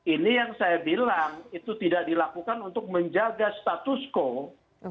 ini yang saya bilang itu tidak dilakukan untuk menjaga status quote